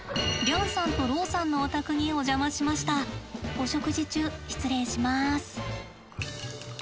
お食事中失礼します。